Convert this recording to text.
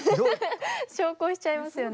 小考しちゃいますよね。